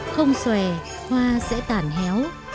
không xòe hoa sẽ tản héo